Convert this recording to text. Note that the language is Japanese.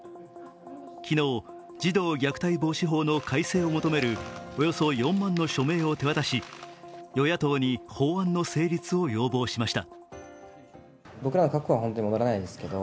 昨日、児童虐待防止法の改正を求めるおよそ４万の署名を手渡し与野党に法案の成立を要望しました。